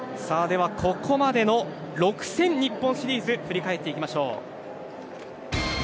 では、ここまでの６戦日本シリーズを振り返っていきましょう。